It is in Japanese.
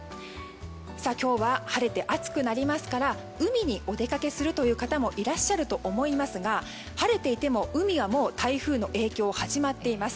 今日は晴れて暑くなりますから海にお出かけするという方もいらっしゃると思いますが晴れていても海はもう台風の影響始まっています。